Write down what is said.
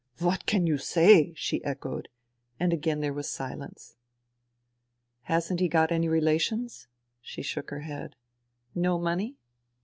" What can you say !" she echoed ; and again there was silence. " Hasn't he got any relations ?" I asked. She shook her head. " No money